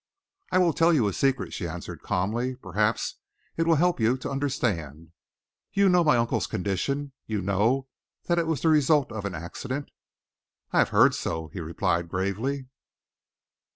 "I will tell you a secret," she answered calmly. "Perhaps it will help you to understand. You know my uncle's condition. You know that it was the result of an accident?" "I have heard so," he replied gravely.